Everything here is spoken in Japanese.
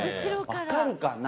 分かるかな？